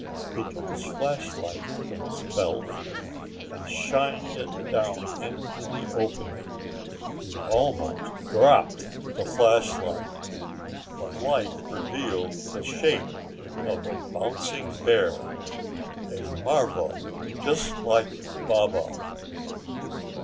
He took his flashlight from his belt and shined it down into the opening. He almost dropped the flashlight. The light revealed the shape of a bouncing bear, a marva, just like Baba!